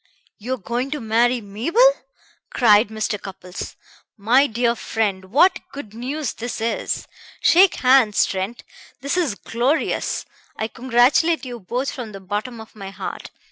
"You are going to marry Mabel!" cried Mr. Cupples. "My dear friend, what good news this is! Shake hands, Trent; this is glorious! I congratulate you both from the bottom of my heart.